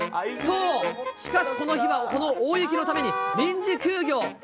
そう、しかし、この日はこの大雪のために臨時休業。